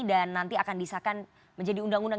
dan nanti akan disahkan menjadi undang undang